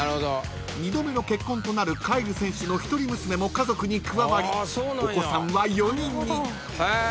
［２度目の結婚となるカイル選手の一人娘も家族に加わりお子さんは４人に］